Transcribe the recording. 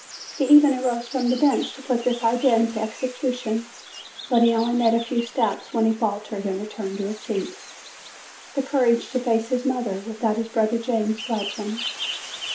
He even arose from the bench to put this idea into execution, but he only made a few steps when he faltered and returned to his seat, the courage to face his mother without his brother James failed him.